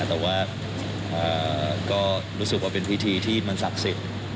แต่ว่าก็รู้สึกว่าเป็นพิธีที่มันศักดิ์สิทธิ์